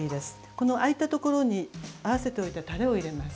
この空いたところに合わせておいたタレを入れます。